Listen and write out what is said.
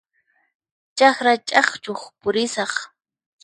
Chakra ch'aqchuq purisaq.